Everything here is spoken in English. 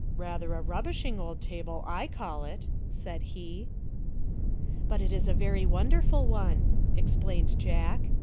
Rather a rubbishing old table, I call it," said he. " But it is a very wonderful one," explained Jack.